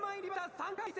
３回戦！